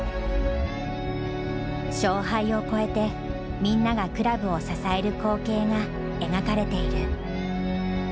勝敗をこえてみんながクラブを支える光景が描かれている。